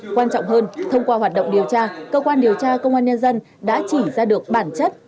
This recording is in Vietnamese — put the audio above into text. quan trọng hơn thông qua hoạt động điều tra cơ quan điều tra công an nhân dân đã chỉ ra được bản chất